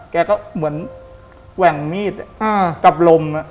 แกก็เหมือนแกว่งมีดกับลม